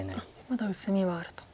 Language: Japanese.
まだ薄みはあると。